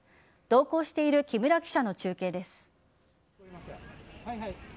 同行している木村記者の中継です。